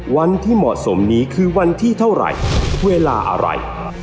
วันที่เหมาะสมนี้คือวันที่เท่าไหร่เวลาอะไร